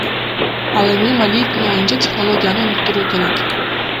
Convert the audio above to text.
Ал эми Малиевдин оюнча, технологияны өнүктүрүү керек.